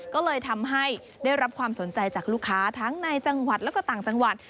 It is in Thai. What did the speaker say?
ก็เลยทำให้ได้รับความสนใจจากลูกค้าทั้งในจังหวัดและก็ต่างจังหวัด